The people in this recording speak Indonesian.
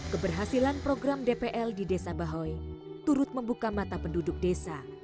keberhasilan program dpl di desa bahoy turut membuka mata penduduk desa